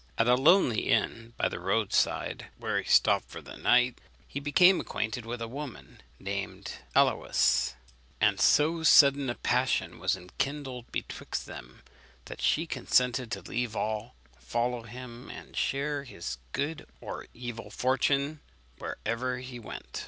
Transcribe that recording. At a lonely inn, by the road side, where he stopped for the night, he became acquainted with a woman, named Aluys; and so sudden a passion was enkindled betwixt them, that she consented to leave all, follow him, and share his good or evil fortune wherever he went.